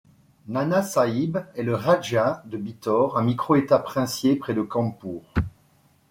Nânâ Sâhib est le râja de Bithor, un micro-État princier près de Kânpur.